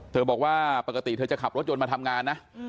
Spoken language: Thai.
บอกว่าปกติเธอจะขับรถยนต์มาทำงานนะ